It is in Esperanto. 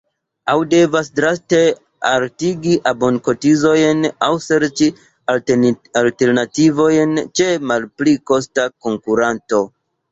Aŭ devas draste altigi abonkotizojn aŭ serĉi alternativon ĉe malpli kosta konkuranto.